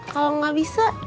kalau gak bisa